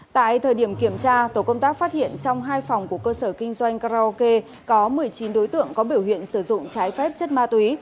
tại thời điểm kiểm tra tổ công tác phát hiện trong hai phòng của cơ sở kinh doanh karaoke có một mươi chín đối tượng có biểu hiện sử dụng trái phép chất ma túy